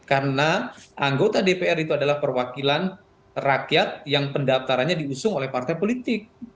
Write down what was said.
karena anggota dpr itu adalah perwakilan rakyat yang pendaftarannya diusung oleh partai politik